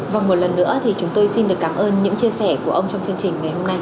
và một lần nữa thì chúng tôi xin được cảm ơn những chia sẻ của ông trong chương trình ngày hôm nay